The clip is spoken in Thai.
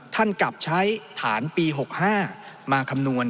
ท่านกลับใช้ฐานปี๖๕มาคำนวณ